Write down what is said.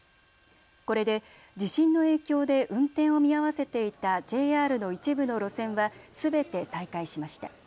これで、地震の影響で運転を見合わせていたＪＲの一部路線はすべて再開しました。